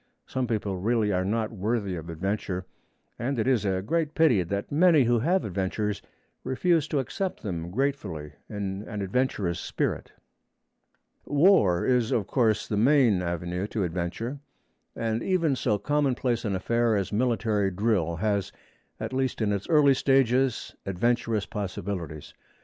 Some people really are not worthy of adventure, and it is a great pity that many who have adventures refuse to accept them gratefully in an adventurous spirit. War is, of course, the main avenue to adventure, and even so commonplace an affair as military drill has, at least in its early stages, adventurous possibilities.